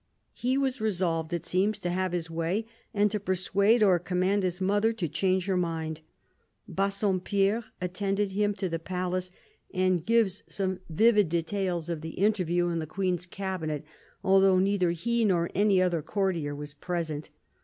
He was resolved, it seems, to have his way, and to persuade or command his mother to change her mind. Bassompierre attended him to the palace, and gives some vivid details of the 212 CARDINAL DE RICHELIEU interview in the Queen's cabinet, although neither he nor any other courtier was present.